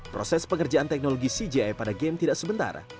proses pengerjaan teknologi cgi pada game tidak sebentar